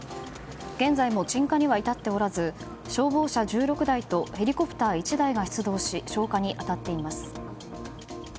現在も鎮火には至っておらず消防車１６台とヘリコプター１台が出動し消火に当たっています。